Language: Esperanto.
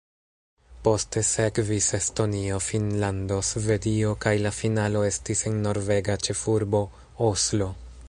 Poste sekvis Estonio, Finnlando, Svedio kaj la finalo estis en norvega ĉefurbo Oslo.